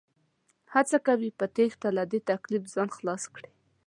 هڅه کوي په تېښته له دې تکليف ځان خلاص کړي